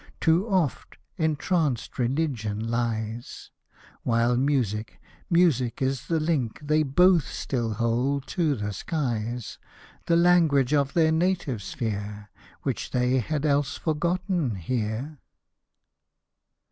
Too oft, entranced Religion lies ! While Music, Music is the link They dof^ still hold by to the skies, The language of their native sphere, Which they had else forgotten here.